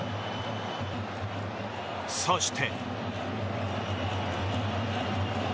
そして。